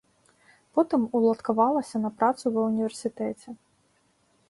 Потым уладкавалася на працу ва ўніверсітэце.